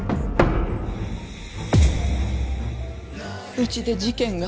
うちで事件が。